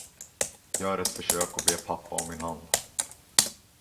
Gör ett försök och be pappa om min hand.